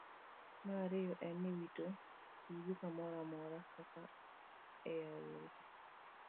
Mar ariyo en ni, wito yugi kamoro amora, kaka e aore.